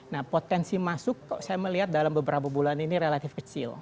nah potensi masuk kok saya melihat dalam beberapa bulan ini relatif kecil